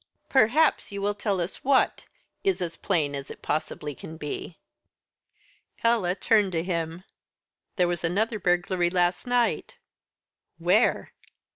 "Perhaps you will tell us what is as plain as it possibly can be." Ella turned to him. "There was another burglary last night." "Where?"